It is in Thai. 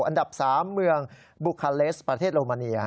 อันดับ๓เมืองบุคาเลสประเทศโลมาเนีย